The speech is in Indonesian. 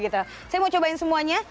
saya mau cobain semuanya